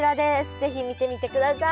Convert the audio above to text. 是非見てみてください。